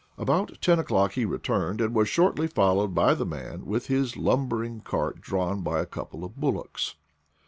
About ten o 'clock he returned, and was shortly followed by the man with Ms lum bering cart drawn by a couple of bullocks.